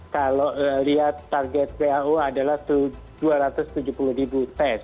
kalau lihat target who adalah dua ratus tujuh puluh ribu tes